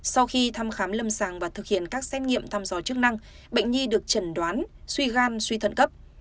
sau khi thăm khám lâm sàng và thực hiện các xét nghiệm thăm dò chức năng bệnh nhi được chẩn đoán suy gan suy thận cấp